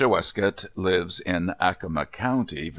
Westcott lives in Accomac County, Va.